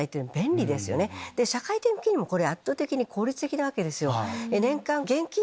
社会的にもこれ圧倒的に効率的なわけですよ。